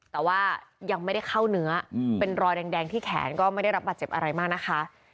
แต่ว่ายังไม่ได้เข้าเนื้อเป็นรอยแดงที่แขนก็ไม่ได้รับบาดเจ็บอะไรมากนะคะ